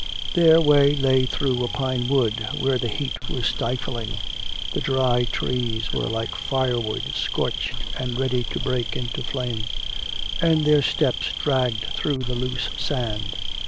Their way lay through a pine wood where the heat was stifling; the dry trees were like firewood scorched and ready to break into flame; and their steps dragged through the loose sand.